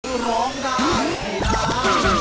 คือร้องได้ให้ร้าน